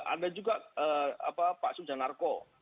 ada juga pak sujanarko